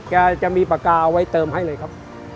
จะมีปากกาเอาไว้เติมให้เลยครับ